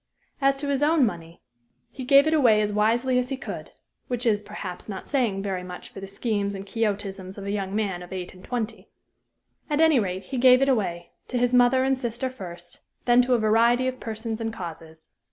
As to his own money, he gave it away as wisely as he could, which is, perhaps, not saying very much for the schemes and Quixotisms of a young man of eight and twenty. At any rate, he gave it away to his mother and sister first, then to a variety of persons and causes.